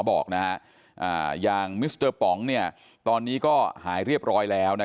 บอกอย่างมิสเตอร์ป๋องตอนนี้ก็หายเรียบร้อยแล้ว